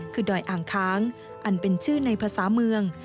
คือดอยอ่างค้างอันเป็นชื่อในภาษาเมือง